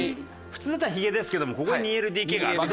普通だったらひげですけどもここに２ＬＤＫがある。